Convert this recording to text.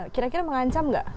kira kira mengancam nggak